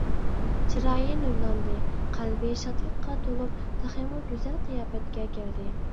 چىرايى نۇرلاندى، قەلبى شادلىققا تولۇپ، تېخىمۇ گۈزەل قىياپەتكە كەلدى.